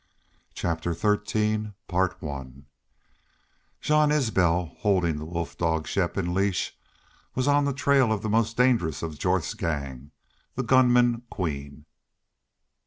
CHAPTER XIII Jean Isbel, holding the wolf dog Shepp in leash, was on the trail of the most dangerous of Jorth's gang, the gunman Queen.